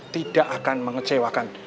tidak akan mengecewakan